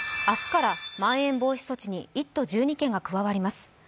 明日からまん延防止措置に１都１２県が加わります。